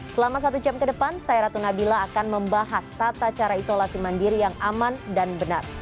selama satu jam ke depan saya ratu nabila akan membahas tata cara isolasi mandiri yang aman dan benar